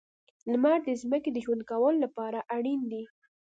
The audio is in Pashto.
• لمر د ځمکې د ژوند کولو لپاره اړین دی.